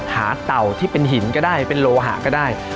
เต่าที่เป็นหินก็ได้เป็นโลหะก็ได้